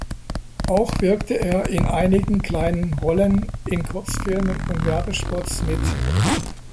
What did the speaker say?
Auch wirkte er in einigen kleinen Rollen in Kurzfilmen und Werbespots mit.